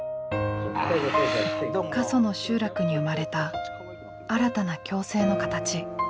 過疎の集落に生まれた新たな共生の形。